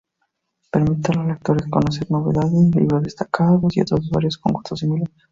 Permite a los lectores conocer novedades, libros destacados y otros usuarios con gustos similares.